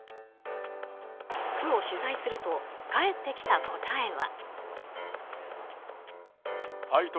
区を取材すると返ってきた答えは。